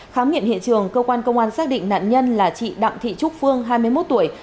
khám nghiệm hiện trường cơ quan công an xác định nạn nhân là chị đặng thị trúc phương hai mươi một tuổi